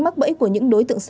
mắc bẫy của những đối tượng xấu